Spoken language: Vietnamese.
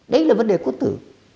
đấy là vấn đề quốc tử